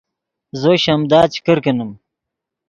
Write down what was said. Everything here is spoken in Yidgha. زو شیمدا چے کرکینیم